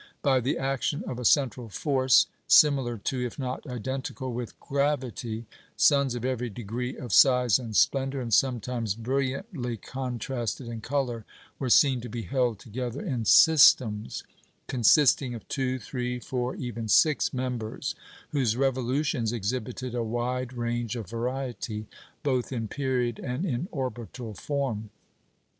By the action of a central force similar to, if not identical with, gravity, suns of every degree of size and splendour, and sometimes brilliantly contrasted in colour, were seen to be held together in systems, consisting of two, three, four, even six members, whose revolutions exhibited a wide range of variety both in period and in orbital form.